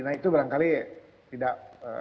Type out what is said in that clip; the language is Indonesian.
nah itu barangkali tidak